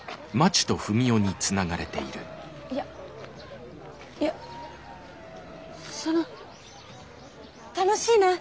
いやいやその楽しいな楽しいな。